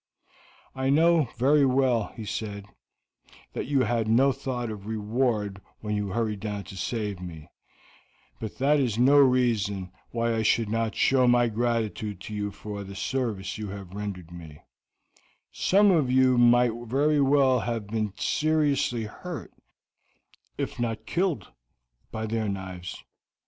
"I know very well," he said, "that you had no thought of reward when you hurried down to save me, but that is no reason why I should not show my gratitude to you for the service you have rendered me; some of you might very well have been seriously hurt, if not killed, by their knives.